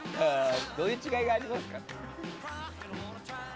どういう違いがありますか？